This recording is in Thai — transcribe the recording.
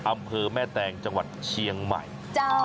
อำเภอแม่แตงจังหวัดเชียงใหม่